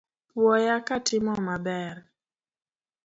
Puoya katimo maber.